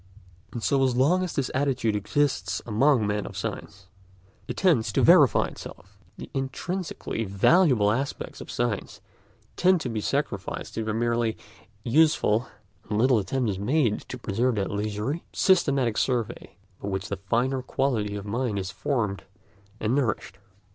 And so long as this attitude exists among men of science, it tends to verify itself: the intrinsically valuable aspects of science tend to be sacrificed to the merely useful, and little attempt is made to preserve that leisurely, systematic survey by which the finer quality of mind is formed and nourished.